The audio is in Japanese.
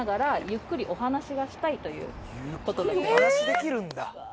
お話できるんだ。